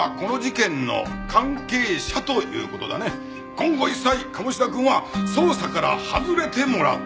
今後一切鴨志田くんは捜査から外れてもらう。